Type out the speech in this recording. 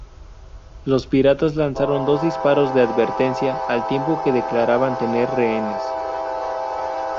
Los piratas lanzaron dos disparos de advertencia al tiempo que declaraban "tener rehenes".